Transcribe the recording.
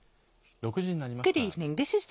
６時になりました。